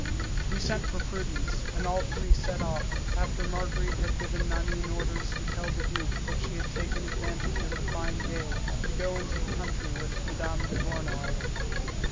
We sent for Prudence, and all three set off, after Marguerite had given Nanine orders to tell the duke that she had taken advantage of the fine day to go into the country with Mme. Duvernoy.